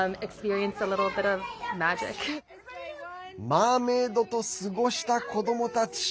マーメードと過ごした子どもたち。